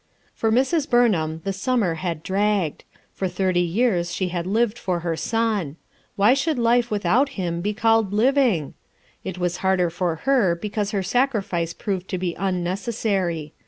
For Mrs. Burnham the summer had dragged. For thirty years she had lived for her son. Why should life without him be called living ? It was harder for her because her sacrifice proved to be unnecessary.